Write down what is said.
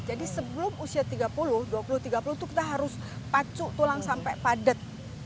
jadi sebelum usia tiga puluh dua puluh tiga puluh itu kita harus pacu tulang sampai padat